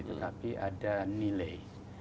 tetapi ada nilai